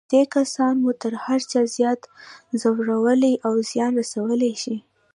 نږدې کسان مو تر هر چا زیات ځورولای او زیان رسولای شي.